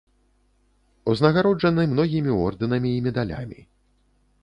Узнагароджаны многімі ордэнамі і медалямі.